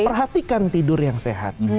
perhatikan tidur yang sehat